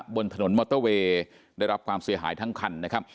บนถนนมอเตอร์เวย์ได้รับความเสียหายทั้งคันนะครับ